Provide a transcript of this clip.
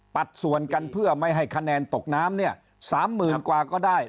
ตัดส่วนกันเพื่อไม่ให้คะแนนตกน้ำเนี่ย๓๐๐๐กว่าก็ได้